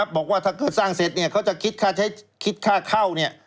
บอกว่าถ้าสร้างเสร็จเขาจะคิดค่าเข้า